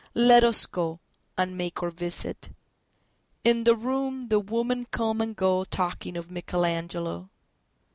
Let us go and make our visit.In the room the women come and goTalking of Michelangelo.